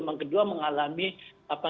mengalami kecemasan mengalami kecemasan